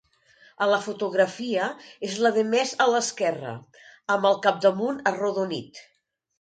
A la fotografia, és la de més a l'esquerra, amb el capdamunt arrodonit.